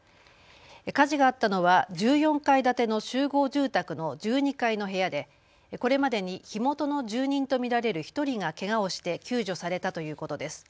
火事があったのは１４階建ての集合住宅の１２階の部屋でこれまでに火元の住人と見られる１人がけがをして救助されたということです。